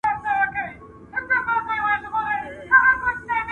ناروغان روغتون ته وړل کيږي.